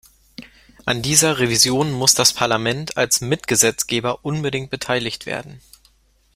An dieser Revision muss das Parlament als Mitgesetzgeber unbedingt beteiligt werden.